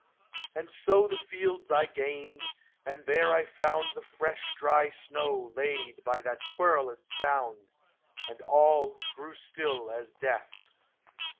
And so the fields I gained, and there I found The fresh dry snow laid by that querulous sound, And all grew still as death.